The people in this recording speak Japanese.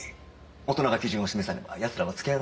大人が基準を示さねば奴らは付け上がるだけです。